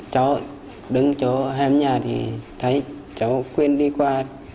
cháu đứng chỗ hàm nhà thì thấy cháu quyền đi qua